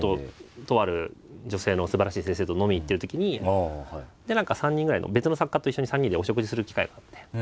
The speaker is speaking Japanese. とある女性のすばらしい先生と飲みに行ってるときに何か３人ぐらいの別の作家と一緒に３人でお食事する機会があって。